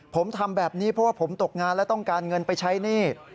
ผมทำแบบนี้เพราะว่าผมตกงานและต้องการเงินไปใช้หนี้